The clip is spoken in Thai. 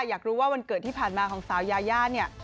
อยากรู้ว่าวันเกิดที่ผ่านมาของสาวยายาเนี่ย